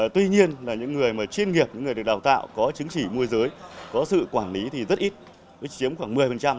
tuy nhiên là những người chuyên nghiệp những người được đào tạo có chứng chỉ môi giới có sự quản lý thì rất ít chiếm khoảng một mươi